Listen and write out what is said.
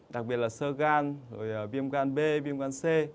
đặc biệt là sơ gan rồi viêm gan b viêm gan c